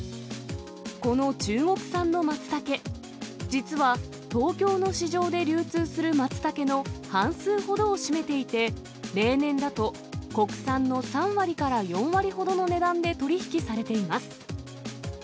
この中国産のマツタケ、実は東京の市場で流通するマツタケの半数ほどを占めていて、例年だと国産の３割から４割ほどの値段で取り引きされています。